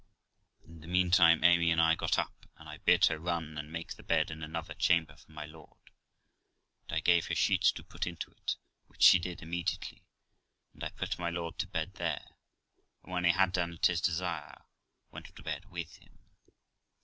In the meantime Amy and I got up, and I bid her run and make the bed in another chamber for my lord, and I gave her sheets to put into it; which she did immediately, and I put my lord to bed there, and, when I had done, at his desire went to bed to him.